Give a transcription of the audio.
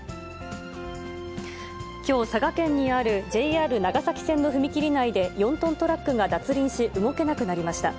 きょう佐賀県にあるＪＲ長崎線の踏切内で４トントラックが脱輪し、動けなくなりました。